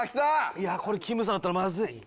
いやこれきむさんだったらまずい。